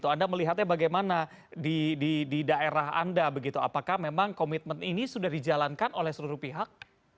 anda melihatnya bagaimana di daerah anda begitu apakah memang komitmen ini sudah dijalankan oleh seluruh pihak